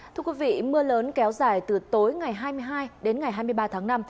thưa quý vị mưa lớn kéo dài từ tối ngày hai mươi hai đến ngày hai mươi ba tháng năm